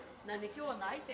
今日はないて。